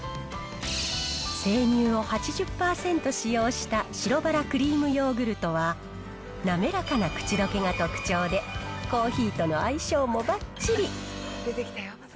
生乳を８０％使用した白バラクリームヨーグルトは、滑らかな口どけが特徴で、コーヒーとの相性もばっちり。